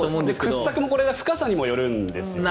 掘削の深さにもよるんですよね。